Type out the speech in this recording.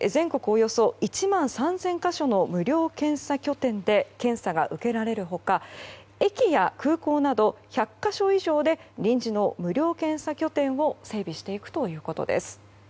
およそ１万３０００か所の無料検査拠点で検査が受けられる他駅や空港など１００か所以上で臨時の無料検査拠点を整備していくということです。